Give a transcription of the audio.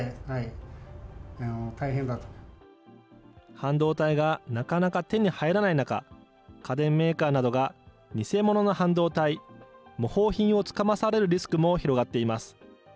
半導体がなかなか手に入らない中、家電メーカーなどが偽物の半導体、模倣品をつかまされるリスクも広がっています。